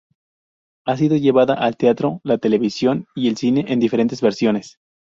Ha sido llevada al teatro, la televisión y el cine en diferentes versiones.